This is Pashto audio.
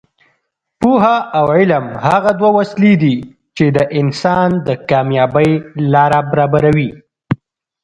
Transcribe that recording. پوهه او علم هغه دوه وسلې دي چې د انسان د کامیابۍ لاره برابروي.